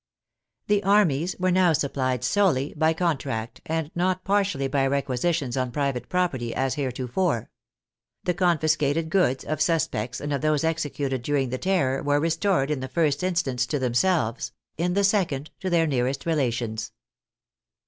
The armies were now supplied solely by con tract and not partially by requisitions on private property as heretofore. The confiscated goods of suspects and of those executed during the Terror were restored in the first instance to themselves, in the second to their nearest relations.